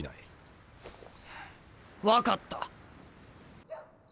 分かった。